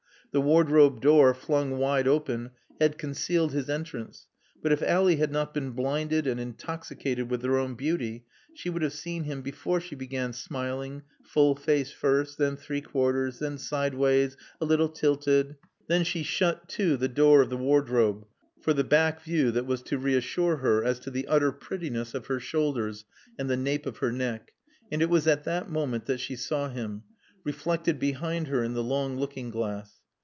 The wardrobe door, flung wide open, had concealed his entrance, but if Ally had not been blinded and intoxicated with her own beauty she would have seen him before she began smiling, full face first, then three quarters, then sideways, a little tilted. Then she shut to the door of the wardrobe (for the back view that was to reassure her as to the utter prettiness of her shoulders and the nape of her neck), and it was at that moment that she saw him, reflected behind her in the long looking glass.